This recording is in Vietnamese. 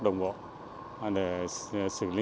đồng bộ để xử lý